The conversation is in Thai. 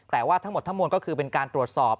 แต่ว่าทั้งหมดทั้งมวลก็คือเป็นการตรวจสอบ